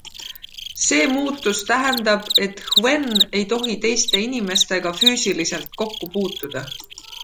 See muutus tähendab, et Hwen ei tohi teiste inimestega füüsiliselt kokku puutuda.